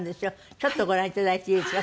ちょっとご覧いただいていいですか？